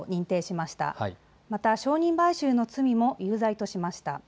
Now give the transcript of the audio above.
また証人買収の罪も有罪としました。